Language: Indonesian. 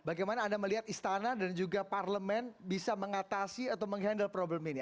bagaimana anda melihat istana dan juga parlemen bisa mengatasi atau menghandle problem ini